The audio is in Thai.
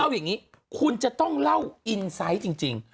เอาอย่างนี้คุณจะต้องเล่าอินไซต์จริง